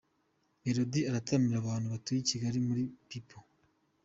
Melody arataramira abantu batuye i Kigali muri Peaple .